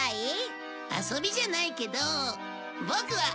遊びじゃないけどボクは。